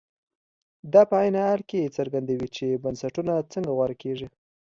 دا په عین حال کې څرګندوي چې بنسټونه څنګه غوره کېږي.